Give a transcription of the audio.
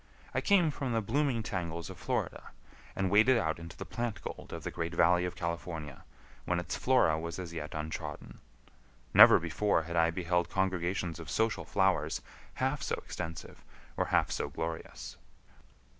I came from the blooming tangles of Florida, and waded out into the plant gold of the great valley of California, when its flora was as yet untrodden. Never before had I beheld congregations of social flowers half so extensive or half so glorious.